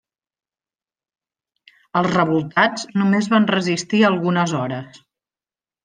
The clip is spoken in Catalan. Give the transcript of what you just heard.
Els revoltats només van resistir algunes hores.